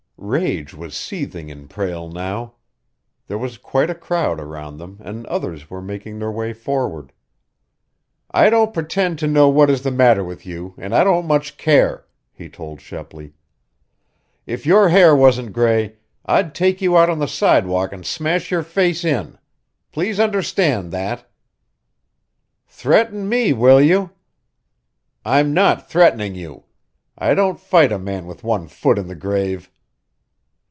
Rage was seething in Prale now. There was quite a crowd around them, and others were making their way forward. "I don't pretend to know what is the matter with you, and I don't much care!" he told Shepley. "If your hair wasn't gray, I'd take you out on the sidewalk and smash your face in! Please understand that!" "Threaten me, will you?" "I'm not threatening you. I don't fight a man with one foot in the grave."